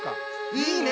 いいね！